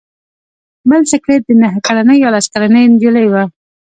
بل سکلیټ د نهه کلنې یا لس کلنې نجلۍ و.